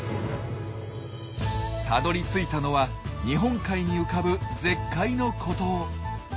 たどりついたのは日本海に浮かぶ絶海の孤島。